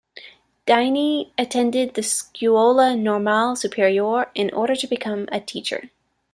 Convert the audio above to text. Dini attended the Scuola Normale Superiore in order to become a teacher.